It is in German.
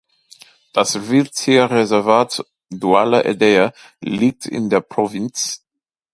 Das Wildtierreservat Douala-Edea liegt in der Provinz.